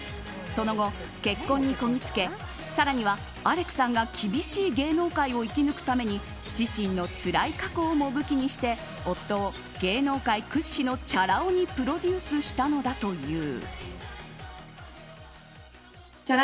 その後、結婚にこぎつけ更にはアレクさんが厳しい芸能界を生き抜くために自身のつらい過去をも武器にして夫を芸能界屈指のチャラ男にプロデュースしたのだという。